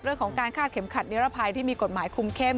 เรื่องของการฆ่าเข็มขัดนิรภัยที่มีกฎหมายคุมเข้ม